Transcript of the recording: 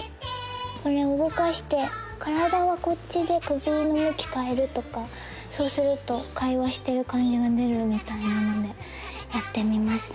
これを動かして体はこっちで首の向き変えるとかそうすると会話してる感じが出るみたいなのでやってみますね